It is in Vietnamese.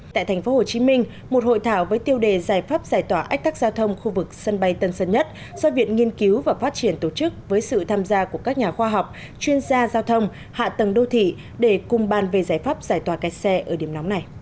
tại tp hcm một hội thảo với tiêu đề giải pháp giải tỏa ách tắc giao thông khu vực sân bay tân sơn nhất do viện nghiên cứu và phát triển tổ chức với sự tham gia của các nhà khoa học chuyên gia giao thông hạ tầng đô thị để cùng bàn về giải pháp giải tỏa kẹt xe ở điểm nóng này